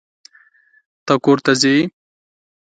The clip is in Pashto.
ته کور ته ځې.